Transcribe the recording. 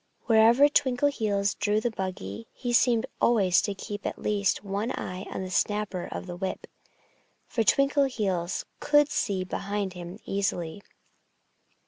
Whenever Twinkleheels drew the buggy he seemed always to keep at least one eye on the snapper of the whip, for Twinkleheels could see behind him easily.